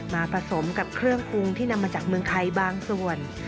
ผสมกับเครื่องปรุงที่นำมาจากเมืองไทยบางส่วน